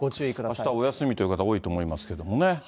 あしたお休みという方多いと思いますけどね。